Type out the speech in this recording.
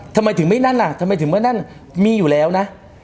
ทำไมถึงไม่นั่นล่ะทำไมถึงเมื่อนั่นมีอยู่แล้วนะ